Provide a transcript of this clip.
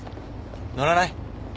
乗らない？